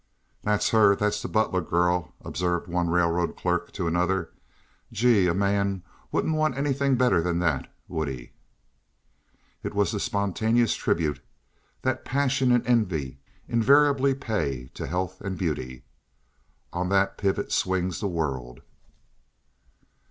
"That's her—that's that Butler girl," observed one railroad clerk to another. "Gee! a man wouldn't want anything better than that, would he?" It was the spontaneous tribute that passion and envy invariably pay to health and beauty. On that pivot swings the world.